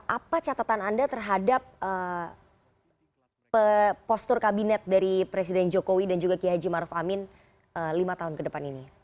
apa catatan anda terhadap postur kabinet dari presiden jokowi dan juga ki haji maruf amin lima tahun ke depan ini